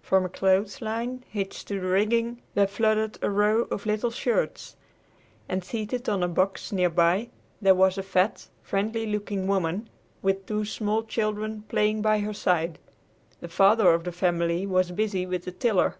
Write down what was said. From a clothesline hitched to the rigging there fluttered a row of little shirts, and seated on a box near by there was a fat, friendly looking woman with two small children playing by her side. The father of the family was busy with the tiller.